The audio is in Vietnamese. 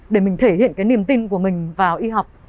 để mình thể hiện cái niềm tin của mình vào y học